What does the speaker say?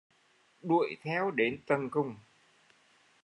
Đuổi theo đến tận cùng